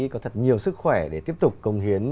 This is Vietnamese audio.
có thật nhiều sức khỏe để tiếp tục công hiến